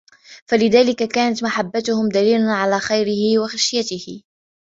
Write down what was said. فَلِذَلِكَ كَانَتْ مَحَبَّتُهُمْ دَلِيلًا عَلَى خَيْرِهِ وَخَشْيَتِهِ